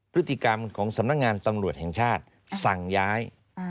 พฤติกรรมของสำนักงานตำรวจแห่งชาติสั่งย้าย